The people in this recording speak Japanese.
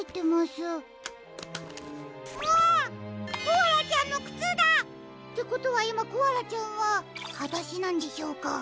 コアラちゃんのくつだ！ってことはいまコアラちゃんははだしなんでしょうか？